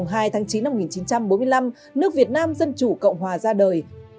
ngày hai tháng chín năm một nghìn chín trăm bốn mươi năm nước việt nam dân chủ cộng hòa ra đời